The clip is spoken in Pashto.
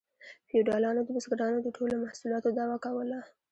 فیوډالانو د بزګرانو د ټولو محصولاتو دعوه کوله